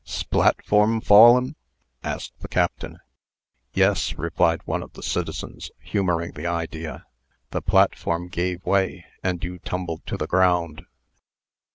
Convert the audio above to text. "'S pla at form fall'n'?" asked the Captain. "Yes," replied one of the citizens, humoring the idea; "the platform gave way, and you tumbled to the ground."